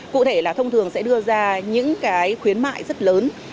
cụ thể là thông thường sẽ đưa ra những cái khuyến mại rất lớn